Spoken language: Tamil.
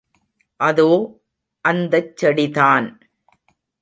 அதோ அந்தச் செடிதான்.